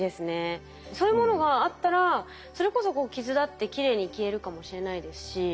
そういうものがあったらそれこそこう傷だってきれいに消えるかもしれないですし。